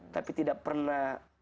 tapi tidak pernah